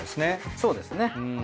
そうですね。